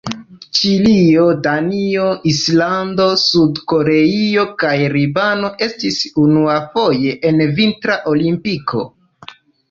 Ĉilio, Danio, Islando, Sud-Koreio kaj Libano estis unuafoje en Vintra Olimpiko.